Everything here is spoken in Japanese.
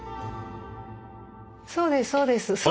そうですそうです。